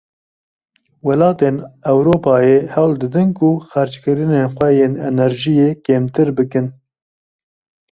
Welatên Ewropayê hewl didin ku xerckirinên xwe yên enerjiyê kêmtir bikin.